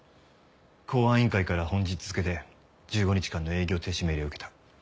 公安委員会から本日付で１５日間の営業停止命令を受けた。